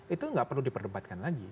itu nggak perlu diperdebatkan lagi